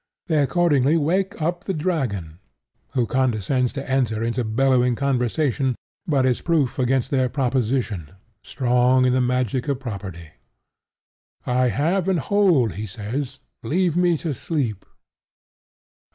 They accordingly wake up the dragon, who condescends to enter into bellowing conversation, but is proof against their proposition, strong in the magic of property. "I have and hold," he says: "leave me to sleep."